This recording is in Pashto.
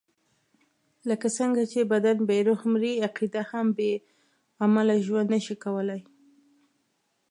لکه څنګه چې بدن بې روح مري، عقیده هم بې عمله ژوند نشي کولای.